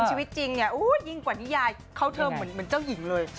ชีวิตจริงเนี่ยยิ่งกว่านิยายเขาเธอเหมือนเจ้าหญิงเลย